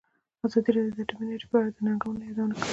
ازادي راډیو د اټومي انرژي په اړه د ننګونو یادونه کړې.